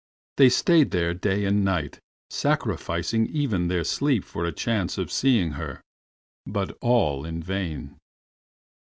They stayed there day and night, sacrificing even their sleep for a chance of seeing her, but all in vain.